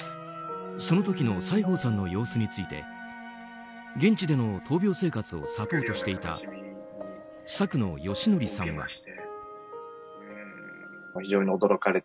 その時の西郷さんの様子について現地での闘病生活をサポートしていた作野善教さんは。